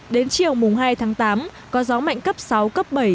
đến chiều mùng hai tháng tám có gió mạnh cấp sáu cấp bảy